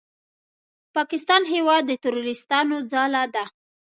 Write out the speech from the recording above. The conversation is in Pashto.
پاکستان هېواد د تروریستانو ځاله ده!